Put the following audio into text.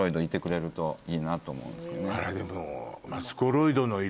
あらでも。